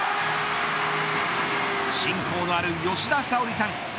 親交のある吉田沙保里さん。